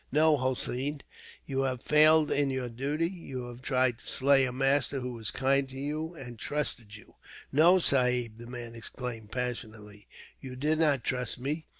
No, Hossein, you have failed in your duty, you have tried to slay a master who was kind to you, and trusted you." "No, sahib," the man exclaimed, passionately. "You did not trust me.